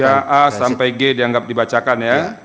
ya a sampai g dianggap dibacakan ya